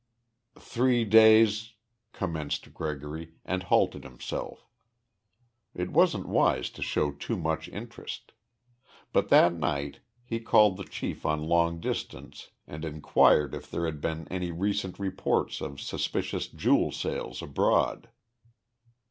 "Three days " commenced Gregory, and halted himself. It wasn't wise to show too much interest. But that night he called the chief on long distance and inquired if there had been any recent reports of suspicious jewel sales abroad.